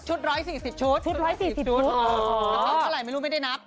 ชุด๑๔๐ชุดน้องเอากระเป๋าไปเท่าไหร่ไม่รู้ไม่ได้นับ